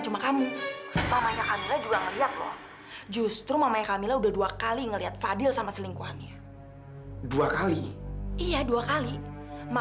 jangan tersikap kayak gini sama